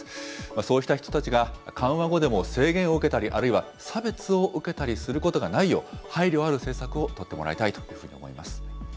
そうした人たちが、緩和後でも制限を受けたり、あるいは、差別を受けたりすることがないよう、配慮ある政策を取ってもらいたいというふうに思います。